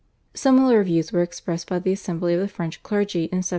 Similar views were expressed by the assembly of the French clergy in 1762.